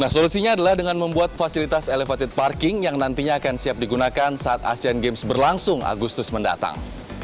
solusinya adalah dengan membuat fasilitas elevated parking yang nantinya akan siap digunakan saat asean games berlangsung agustus mendatang